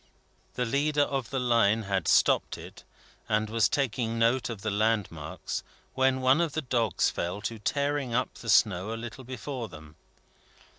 The leader of the line had stopped it, and was taking note of the landmarks, when one of the dogs fell to tearing up the snow a little before them.